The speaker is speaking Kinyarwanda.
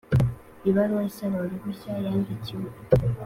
Ibaruwa isaba uruhushya yandikiwe